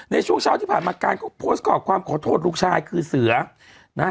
ในช่วงเช้าที่ผ่านมาการเขาโปรสกอบความขอโทษลูกชายคือเสรา